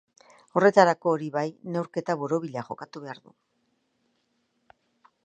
Horretarako, hori bai, neurketa borobila jokatu beharko du.